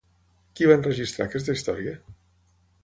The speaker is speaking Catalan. Qui va enregistrar aquesta història?